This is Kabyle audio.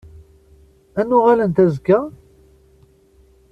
Ad n-uɣalent azekka?